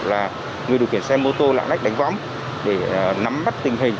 ví dụ là người điều kiện xe mô tô lạ đách đánh võng để nắm bắt tình hình